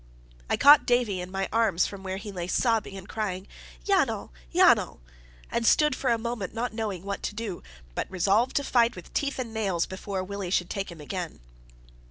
I caught Davie in my arms from where he lay sobbing and crying "Yanal! Yanal!" and stood for a moment not knowing what to do, but resolved to fight with teeth and nails before Willie should take him again.